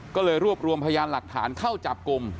ก็เลยรวบรวมพยานหลักฐานเข้าจับกลุ่ม